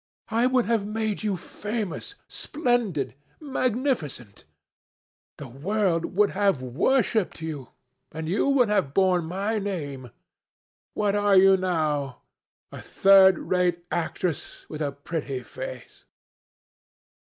I would have made you famous, splendid, magnificent. The world would have worshipped you, and you would have borne my name. What are you now? A third rate actress with a pretty face."